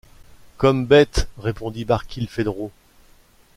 Comme bête, répondit Barkilphedro.